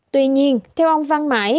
tuy nhiên theo ông văn mãi